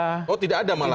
oh tidak ada malah